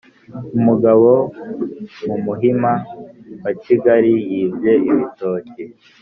! Umugabo mu Muhima wa Kigali yibye ibitoki